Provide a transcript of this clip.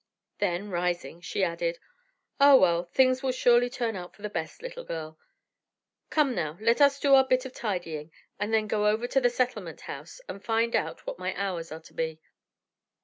Then, rising, she added: "Ah, well, things will surely turn out for the best, little girl. Come now, let us do our bit of tidying and then go over to the Settlement House and find out what my hours are to be."